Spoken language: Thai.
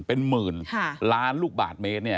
เป็นหมื่นล้านลูกบาทเมตร